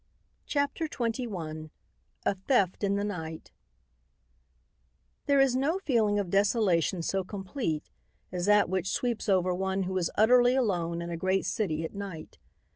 CHAPTER XXI A THEFT IN THE NIGHT There is no feeling of desolation so complete as that which sweeps over one who is utterly alone in a great city at night.